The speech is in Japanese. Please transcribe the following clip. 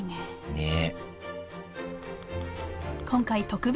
ねえ！